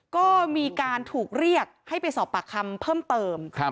ก็มีการถูกเรียกให้ไปสอบปากคำเพิ่มเติม